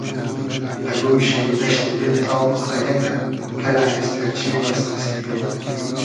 دۂ گۉشی دئشتی دیل تا بوخرۂ یئگ رۂ کئنۂ اېستیرچی او از قئستی دیل خو